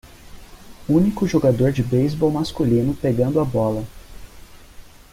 Único jogador de beisebol masculino pegando a bola